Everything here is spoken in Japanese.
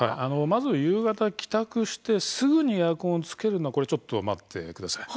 まず夕方、帰宅してすぐにエアコンをつけるのはこれ、ちょっと待ってください。